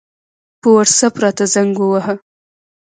په وټساپ راته زنګ ووهه